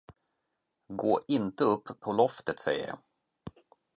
Gå inte upp på loftet, säger jag.